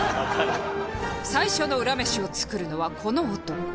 最初のウラ飯を作るのはこの男。